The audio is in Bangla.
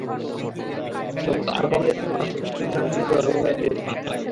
সংযুক্ত আরব আমিরাতে হওয়া সর্বশেষ টুর্নামেন্ট থেকেও নবম হয়ে ফিরেছে বাংলাদেশ।